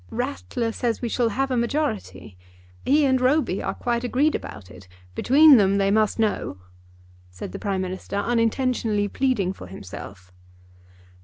"Rattler says we shall have a majority. He and Roby are quite agreed about it. Between them they must know," said the Prime Minister, unintentionally pleading for himself.